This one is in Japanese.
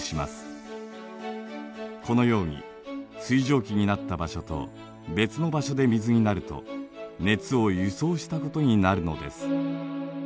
このように水蒸気になった場所と別の場所で水になると熱を輸送したことになるのです。